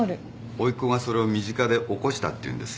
おいっ子がそれを身近で起こしたっていうんです。